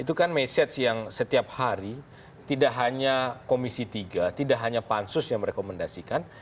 itu kan message yang setiap hari tidak hanya komisi tiga tidak hanya pansus yang merekomendasikan